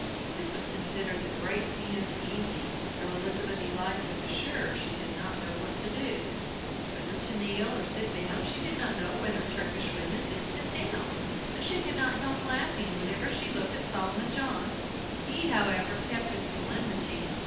This was considered the great scene of the evening, though Elizabeth Eliza was sure she did not know what to do, whether to kneel or sit down; she did not know whether Turkish women did sit down, and she could not help laughing whenever she looked at Solomon John. He, however, kept his solemnity.